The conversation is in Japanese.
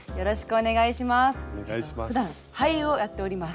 お願いします。